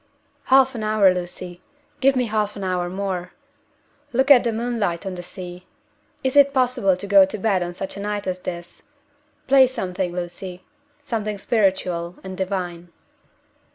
"Half an hour, Lucy give me half an hour more! Look at the moonlight on the sea. Is it possible to go to bed on such a night as this? Play something, Lucy something spiritual and divine."